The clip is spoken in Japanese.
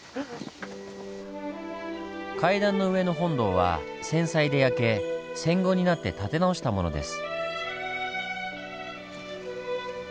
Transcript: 階段の上の本堂は戦災で焼け戦後になって建て直したものです。